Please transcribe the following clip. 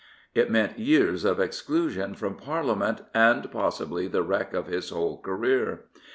It meant years of exclusion from Parliament, and possibly the wreck of his whole career.